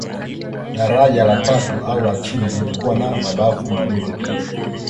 Daraja la tatu au la chini lilikuwa na mabafu mawili tu